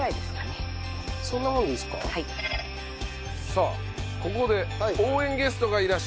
さあここで応援ゲストがいらっしゃっております。